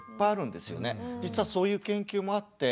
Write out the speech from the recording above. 実はそういう研究もあって。